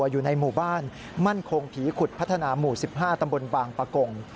อยู่๑๕ตำบลบางปะกง